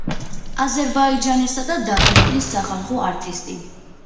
აზერბაიჯანისა და დაღესტნის სახალხო არტისტი.